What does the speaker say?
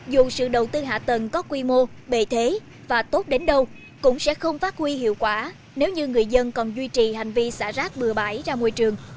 dù sự đầu tư hạ tầng có quy mô bề thế và tốt đến đâu cũng sẽ không phát huy hiệu quả nếu như người dân còn duy trì hành vi xả rác bừa bãi ra môi trường